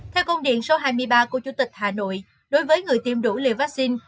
theo công điện số hai mươi ba của chủ tịch hà nội đối với người tiêm đủ liều vaccine